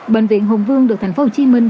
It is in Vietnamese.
bệnh viện hùng vương được thành phố hồ chí minh